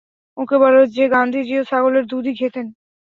ওকে বলো যে গান্ধিজীও ছাগলের দুধই খেতেন।